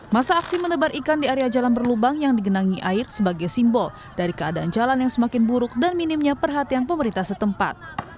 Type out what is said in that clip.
masa aksi menebar ikan di area jalan berlubang yang digenangi air sebagai simbol dari keadaan jalan yang semakin buruk dan minimnya perhatian pemerintah setempat